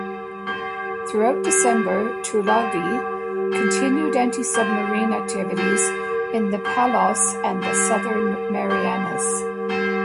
Throughout December, "Tulagi" continued antisubmarine activities in the Palaus and the southern Marianas.